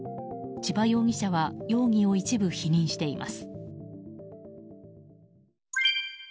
千葉容疑者は容疑を一部否認しています。